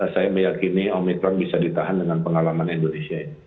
saya meyakini omikron bisa ditahan dengan pengalaman indonesia